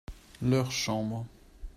Leur chambre.